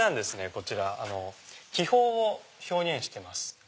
こちら気泡を表現してます。